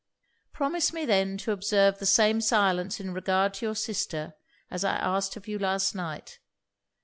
'Promise me then to observe the same silence in regard to your sister as I asked of you last night.